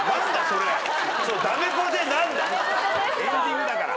エンディングだから。